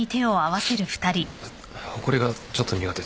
ほこりがちょっと苦手で。